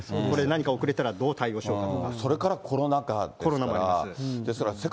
これ、何か遅れたらどう対応しよそれからコロナ禍ですから。